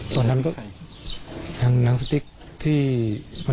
ตอนนั้นก็